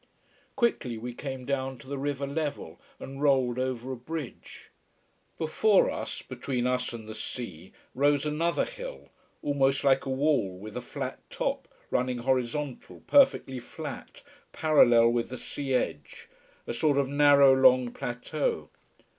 Quickly we came down to the river level, and rolled over a bridge. Before us, between us and the sea rose another hill, almost like a wall with a flat top, running horizontal, perfectly flat, parallel with the sea edge, a sort of narrow long plateau.